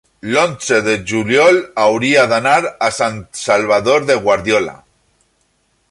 l'onze de juliol hauria d'anar a Sant Salvador de Guardiola.